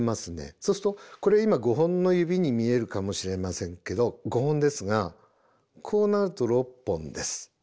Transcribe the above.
そうするとこれ今５本の指に見えるかもしれませんけど５本ですがこうなると６本です。